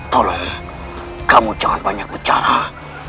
tolong kamu jangan banyak bicara